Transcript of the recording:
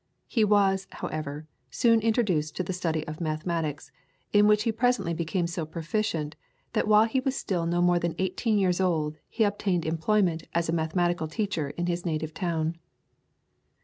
He was, however, soon introduced to the study of mathematics, in which he presently became so proficient, that while he was still no more than eighteen years old, he obtained employment as a mathematical teacher in his native town.